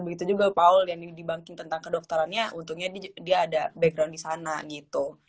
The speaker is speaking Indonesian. begitu juga paul yang dibunking tentang kedokterannya untungnya dia ada background disana gitu